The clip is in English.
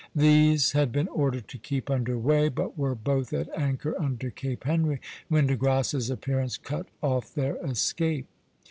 These had been ordered to keep under way, but were both at anchor under Cape Henry when De Grasse's appearance cut off their escape.